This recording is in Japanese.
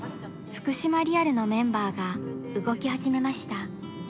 福島リアルのメンバーが動き始めました。